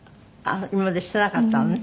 今までしてなかったのね。